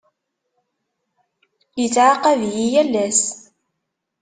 Yettɛaqab-iyi yal ass.